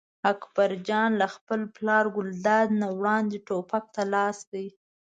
اکبر جان له خپل پلار ګلداد نه وړاندې ټوپک ته لاس کړ.